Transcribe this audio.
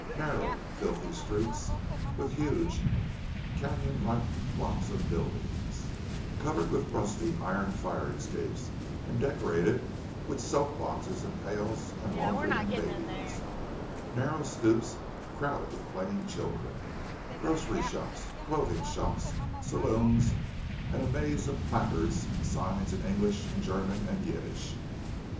Narrow, filthy streets, with huge, cañon like blocks of buildings, covered with rusty iron fire escapes and decorated with soap boxes and pails and laundry and babies; narrow stoops, crowded with playing children; grocery shops, clothing shops, saloons; and a maze of placards and signs in English and German and Yiddish.